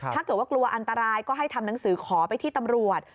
ถ้าเกิดว่ากลัวอันตรายก็ให้ทำหนังสือขอไปที่ตำรวจ